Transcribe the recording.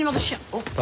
おっ。